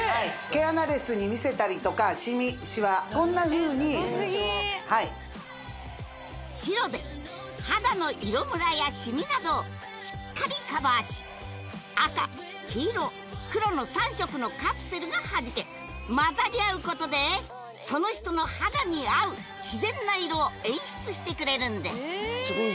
毛穴レスに見せたりとかシミシワこんなふうに白で肌の色むらやシミなどをしっかりカバーし赤黄色黒の３色のカプセルがはじけ混ざり合うことでその人の肌に合う自然な色を演出してくれるんです